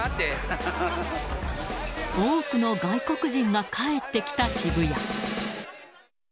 多くの外国人が帰ってきた渋谷。